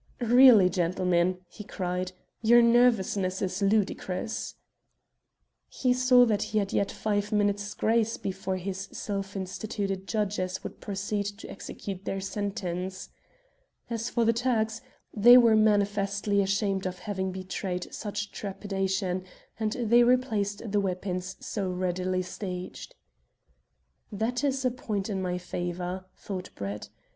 "Really, gentlemen," he cried, "your nervousness is ludicrous." He saw that he yet had five minutes' grace before his self constituted judges would proceed to execute their sentence. As for the Turks, they were manifestly ashamed of having betrayed such trepidation, and they replaced the weapons so readily staged. "That is a point in my favour," thought Brett.